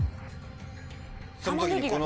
その時に。